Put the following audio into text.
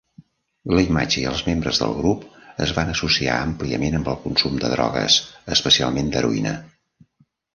La imatge i els membres del grup es van associar àmpliament amb el consum de drogues, especialment d'heroïna.